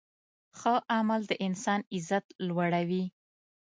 ښه عمل د انسان عزت لوړوي.